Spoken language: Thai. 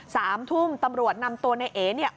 สามทุ่มตำรวจนำตัวในเอเนี่ย